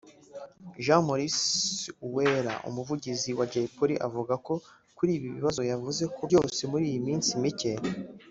Jean Maurice Uwera umuvugizi wa Jay Polly avuga kuri ibi bibazo yavuze ko byose mu minsi micye